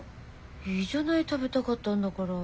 いいじゃない食べたかったんだから。